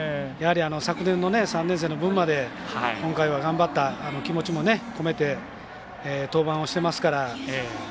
昨年の３年生の分まで今回は頑張った気持ちも込めて登板をしてますから。